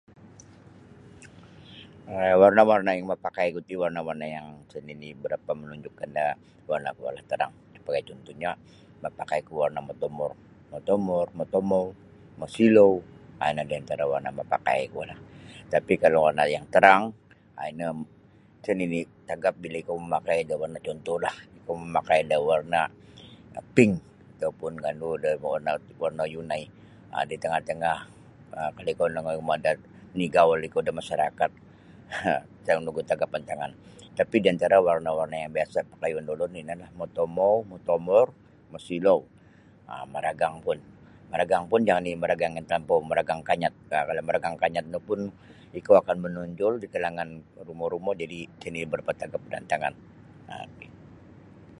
um Warna warna yang mapakai ku ti warna-warna yang isa nini barapa manunjukkan da warna kuo la terang sebagai contohnya mapakai ku warna motomor motomor motomou masilau um ino warna yang mapakai ku lah tapi kalau warna yang terang um ino isa nini tagap bila ikau mamakai da warna contohlah ikaumamakai da warna pink ataupun kandu da warna yunai um di tengah-tengah um kalau ikau mongoi uma da nigaul ikau da masyarakat isa no gu tagap antangan tapi di antara warna warna yang biasa pakayun da ulun ini nio matomou motomor masilau um maragang pun maragang pun jangan nini talampau maragang kanyat nah kalau marangang kanyat no pun ikau akan manunjul da kalangan rumo-rumo jadi isa nio barapa tagap da antangan um ok.